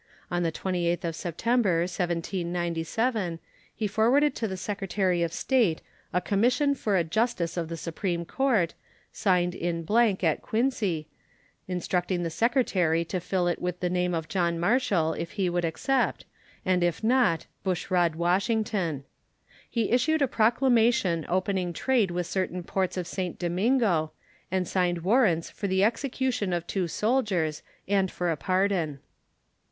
On the 28th of September, 1797, he forwarded to the Secretary of State a commission for a justice of the Supreme Court, signed in blank at Quincy, instructing the Secretary to fill it with the name of John Marshall if he would accept, and, if not, Bushrod Washington. He issued a proclamation opening trade with certain ports of St. Domingo, and signed warrants for the execution of two soldiers and for a pardon.